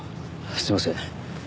すいません。